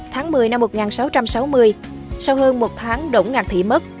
tháng một mươi năm một nghìn sáu trăm sáu mươi sau hơn một tháng đỗng ngạc thị mất